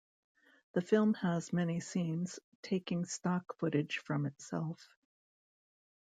The film has many scenes taking stock footage from itself.